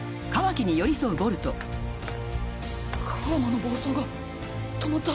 楔の暴走が止まった。